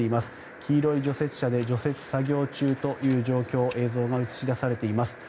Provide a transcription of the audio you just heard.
黄色い除雪車で除雪作業中という状況映像が映し出されています。